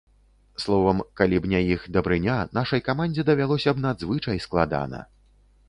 Словам, калі б не іх дабрыня, нашай камандзе давялося б надзвычай складана.